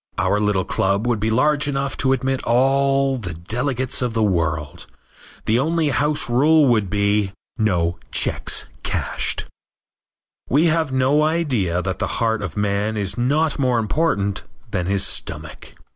Our little club would be large enough to admit all the delegates of the world. The only house rule would be "No checks cashed." We have no idea that the heart of man is not more important than his stomach.